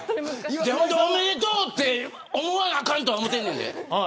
おめでとうって思わなあかんと思ってんねん。